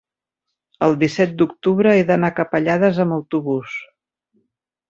el disset d'octubre he d'anar a Capellades amb autobús.